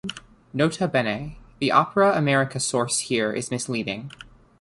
"Nota bene": the Opera America source here is misleading.